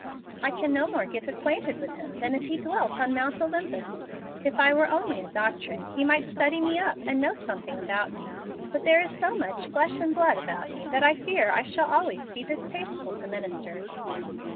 "I can no more get acquainted with him than if he dwelt on Mount Olympus. If I were only a doctrine, he might study me up and know something about me. But there is so much flesh and blood about me that I fear I shall always be distasteful to ministers."